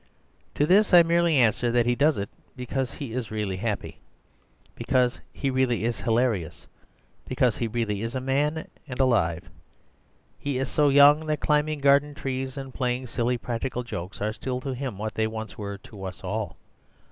To this I merely answer that he does it because he really is happy, because he really is hilarious, because he really is a man and alive. He is so young that climbing garden trees and playing silly practical jokes are still to him what they once were to us all.